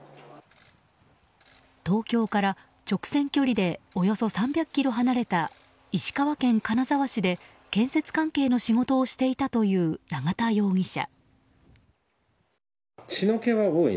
東京から直線距離でおよそ３００ｋｍ離れた石川県金沢市で建設関係の仕事をしていたという永田容疑者。